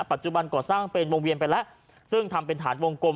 ปัจจุบันก่อสร้างเป็นวงเวียนไปแล้วซึ่งทำเป็นฐานวงกลม